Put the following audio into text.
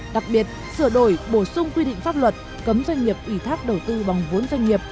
đặc biệt sửa đổi bổ sung quy định pháp luật cấm doanh nghiệp ủy thác đầu tư bằng vốn doanh nghiệp